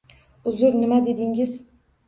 Uzr, nima dedingiz?